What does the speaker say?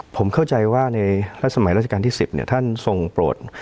ผมเข้าใจว่าในสมัยราชการที่๑๐ท่านทรงโปรด